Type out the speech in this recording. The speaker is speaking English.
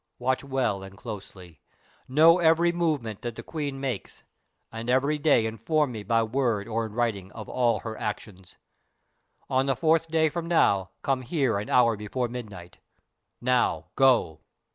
Watch well and closely. Know every movement that the Queen makes, and every day inform me by word or in writing of all her actions. On the fourth day from now come here an hour before midnight. Now go."